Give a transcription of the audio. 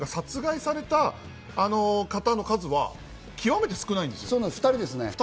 実は殺害された方の数は極めて少ないんですよ。